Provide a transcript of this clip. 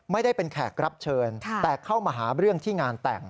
ไม่ได้เป็นแขกรับเชิญแต่เข้ามาหาเรื่องที่งานแต่ง